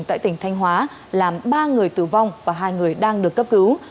tại tỉnh thanh hóa làm ba người tử vong và hai người đang được cấp cứu